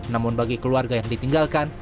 namun bagi keluarga yang ditinggalkan